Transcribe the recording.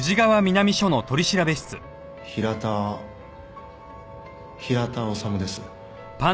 平田平田治です。